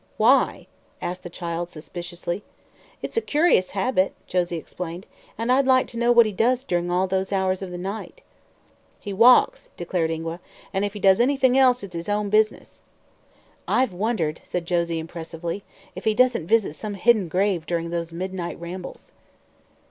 "Why?" asked the child, suspiciously. "It's a curious habit," Josie explained, "and I'd like to know what he does during all those hours of the night." "He walks," declared Ingua; "and, if he does anything else, it's his own business." "I've wondered," said Josie impressively, "if he doesn't visit some hidden grave during those midnight rambles."